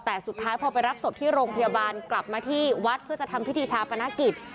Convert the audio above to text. แต่สุดท้ายพอไปรับศพที่โรงพยาบาลกลับมาที่วัดเพื่อจะทำพิธีชาปนกิจ